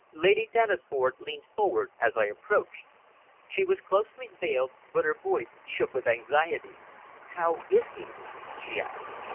Lady Dennisford leaned forward as I approached. She was closely veiled, but her voice shook with anxiety. "How is he?" she asked.